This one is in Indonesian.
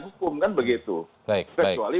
hukum kan begitu kecuali